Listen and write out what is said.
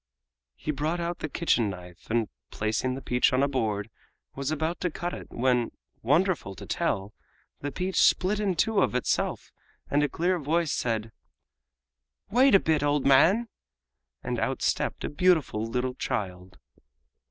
He brought out the kitchen knife, and, placing the peach on a board, was about to cut it when, wonderful to tell, the peach split in two of itself and a clear voice said: "Wait a bit, old man!" and out stepped a beautiful little child.